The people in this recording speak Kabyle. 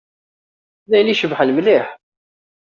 D ayen icebḥen mliḥ.